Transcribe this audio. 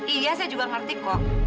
iya saya juga ngerti kok